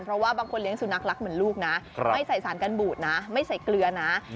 เพราะว่าบางคนเลี้ยสุนัขรักเหมือนลูกนะไม่ใส่สารกันบูดนะไม่ใส่เกลือนะ